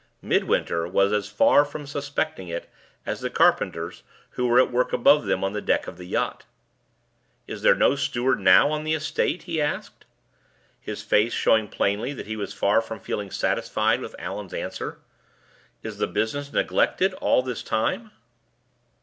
Midwinter was as far from suspecting it as the carpenters who were at work above them on the deck of the yacht. "Is there no steward now on the estate?" he asked, his face showing plainly that he was far from feeling satisfied with Allan's answer. "Is the business neglected all this time?"